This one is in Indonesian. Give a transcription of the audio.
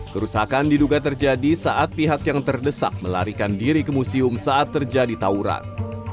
kerusakan diduga terjadi saat pihak yang terdesak melarikan diri ke museum saat terjadi tawuran